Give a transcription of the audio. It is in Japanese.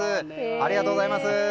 ありがとうございます。